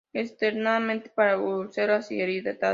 Externamente para úlceras y heridas.